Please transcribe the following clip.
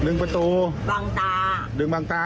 ดึงประตูบางตาดึงบางตาเหรอ